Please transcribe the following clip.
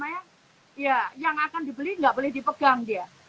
yang akan dibeli nggak boleh dipegang dia